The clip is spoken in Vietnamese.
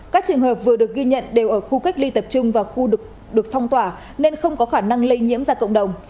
các trường hợp vừa được ghi nhận đều ở khu cách ly tập trung và khu được phong tỏa nên không có khả năng lây nhiễm ra cộng đồng